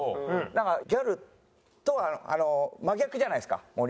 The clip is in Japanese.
だからギャルとは真逆じゃないですか森さんは。